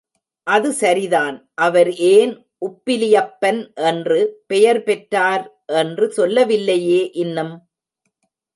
அது சரிதான் அவர் ஏன் உப்பிலியப்பன் என்று பெயர் பெற்றார் என்று சொல்ல வில்லையே இன்னும்?